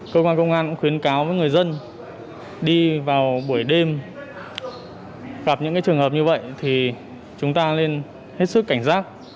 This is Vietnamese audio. cơ quan công an cũng khuyến cáo với người dân đi vào buổi đêm gặp những trường hợp như vậy thì chúng ta nên hết sức cảnh giác